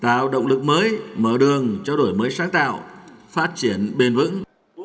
tạo động lực mới mở đường cho đổi mới sáng tạo phát triển bền vững